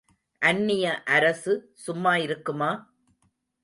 அந்நிய அரசு சும்மா இருக்குமா?